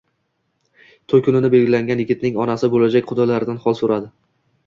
To‘y kunini belgilagan yigitning onasi bo‘lajak qudalaridan hol so‘radi